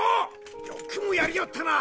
よくもやりおったな！